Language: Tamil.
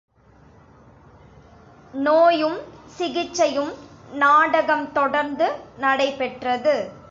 நோயும் சிகிச்சையும் நாடகம் தொடர்ந்து நடைபெற்றது.